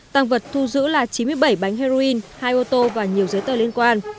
tăng vật thu giữ là chín mươi bảy bánh heroin hai ô tô và nhiều giấy tờ liên quan